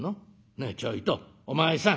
ねえちょいとお前さん。